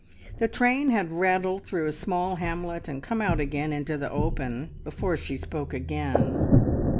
The train had rattled through a small hamlet and come out again into the open before she spoke again.